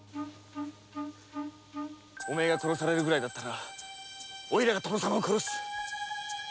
お前が殺されるくらいだったらおれが殿様を殺す。